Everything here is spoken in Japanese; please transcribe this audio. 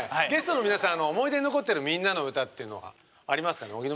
ゲストの皆さんの思い出に残ってる「みんなのうた」っていうのはありますかね？